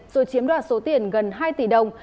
rồi chiếm đoạt số tiền gần hai tỷ đồng